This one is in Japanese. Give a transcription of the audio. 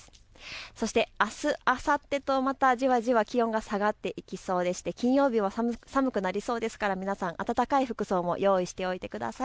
そして、あすあさってとまたじわじわ気温が下がっていく、きょうは寒くなりそうですから皆さん、暖かい服装も用意してください。